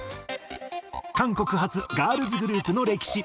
韓国発ガールズグループの歴史。